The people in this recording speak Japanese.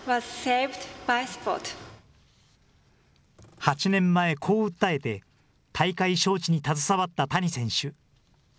８年前、こう訴えて、大会招致に携わった谷選手。